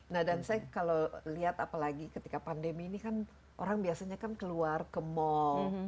nah dan saya kalau lihat apalagi ketika pandemi ini kan orang biasanya kan keluar ke mall